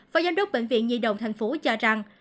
và giám đốc bệnh viện nhi đồng thành phố cho rằng